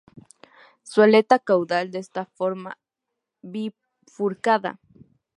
Su aleta caudal es de forma bifurcada.